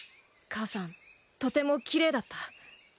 母さんとてもきれいだった。